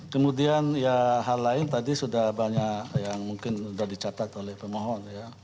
kemudian ya hal lain tadi sudah banyak yang mungkin sudah dicatat oleh pemohon ya